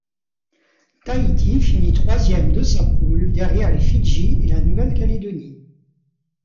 Tahiti finit troisième de sa poule derrière les Fidji et la Nouvelle-Calédonie.